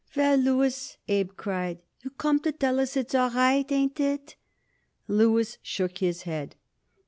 "Well, Louis," Abe cried, "you come to tell us it's all right. Ain't it?" Louis shook his head.